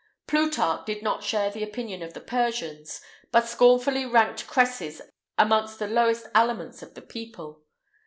Plutarch did not share the opinion of the Persians, but scornfully ranked cresses amongst the lowest aliments of the people.